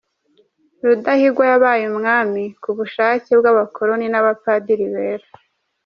Rudahigwa yabaye umwami ku bushake bw’abakoloni n’abapadiri bera.